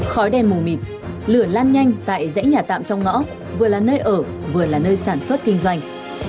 khói đen mù mịt lửa lan nhanh tại dãy nhà tạm trong ngõ vừa là nơi ở vừa là nơi sản xuất kinh doanh